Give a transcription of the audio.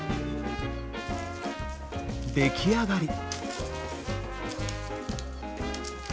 出来上がり！